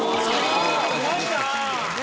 うまいなあ！